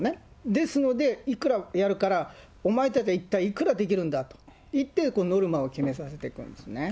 ですので、いくらやるから、おまえたちはいったいいくらできるんだと言ってノルマを決められていくんですね。